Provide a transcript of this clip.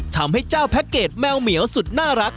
ทำให้เจ้าแพ็คเกจแมวเหมียวสุดน่ารัก